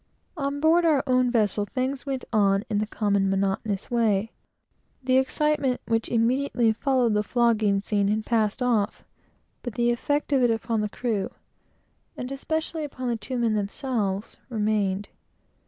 On board our own vessel, things went on in the common monotonous way. The excitement which immediately followed the flogging scene had passed off, but the effect of it upon the crew, and especially upon the two men themselves, remained.